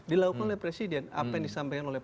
dilakukan oleh presiden apa yang disampaikan oleh